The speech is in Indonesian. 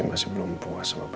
aku masih bercinta sama kamu